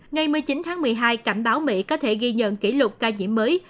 ngày một mươi chín tháng một mươi hai cảnh báo mỹ có thể ghi nhận kỷ lục ca nhiễm mới